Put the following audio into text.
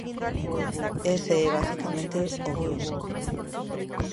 Ese é basicamente o guión.